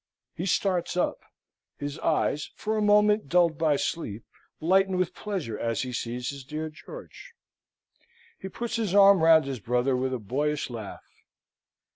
He starts up; his eyes, for a moment dulled by sleep, lighten with pleasure as he sees his dear George. He puts his arm round his brother with a boyish laugh.